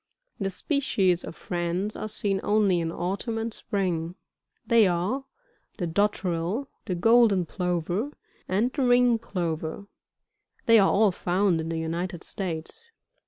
The species of France are seen only in autumn and spring ; they are the Dotterel, the Golden Plover, and the Ring Plover; they are all found in the United States.